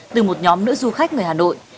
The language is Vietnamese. từ một nhóm nữ du khách người hà nội